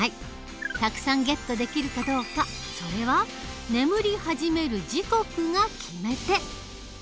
たくさんゲットできるかどうかそれは眠り始める時刻が決め手。